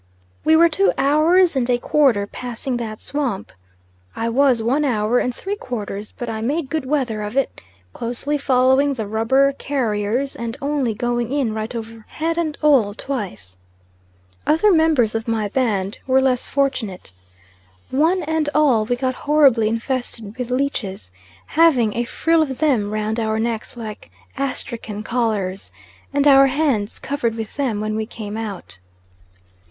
We were two hours and a quarter passing that swamp. I was one hour and three quarters; but I made good weather of it, closely following the rubber carriers, and only going in right over head and all twice. Other members of my band were less fortunate. One and all, we got horribly infested with leeches, having a frill of them round our necks like astrachan collars, and our hands covered with them, when we came out.